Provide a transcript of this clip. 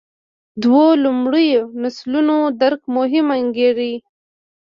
دوو لومړیو نسلونو درک مهم انګېري.